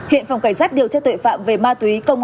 hiện phòng cảnh sát điều tra tội phạm về ma túy